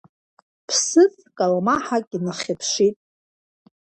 Ԥсыӡ калмаҳак инахьыԥшит.